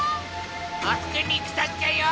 たすけにきたっちゃよ。